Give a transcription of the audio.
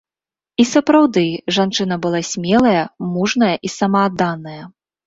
І сапраўды, жанчына была смелая, мужная і самаадданая.